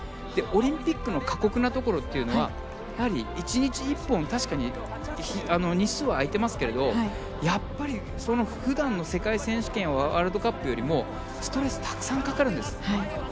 オリンピックの過酷なところというのはやはり１日１本確かに日数は空いていますけど普段の世界選手権やワールドカップよりもストレスがたくさんかかるんです。